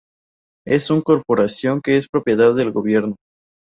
Es un corporación que es propiedad del gobierno.